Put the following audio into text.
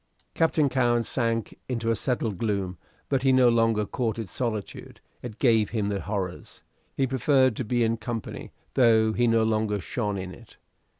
Captain Cowen sank into a settled gloom; but he no longer courted solitude; it gave him the horrors. He preferred to be in company, though he no longer shone in it.